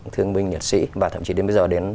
thương minh nhiệt sĩ và thậm chí đến bây giờ đến